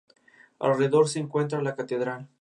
Alrededor se encuentra la catedral.